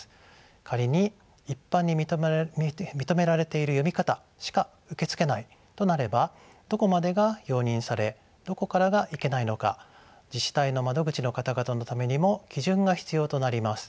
仮に一般に認められている読み方しか受け付けないとなればどこまでが容認されどこからがいけないのか自治体の窓口の方々のためにも基準が必要となります。